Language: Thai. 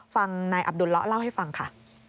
ฟังนายอับดุลเลาะเล่าให้ฟังค่ะ